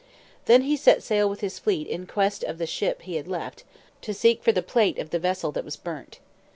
Then he set sail with his fleet in quest of the ship he had left, to seek for the plate of the vessel that was burnt.